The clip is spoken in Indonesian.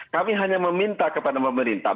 kami hanya meminta kepada pemerintah